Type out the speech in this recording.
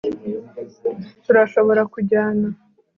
Turashobora kujyana